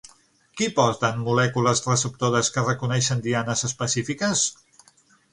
Qui porten molècules receptores que reconeixen dianes específiques?